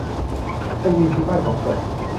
ไปยืนชูป้ายสองคน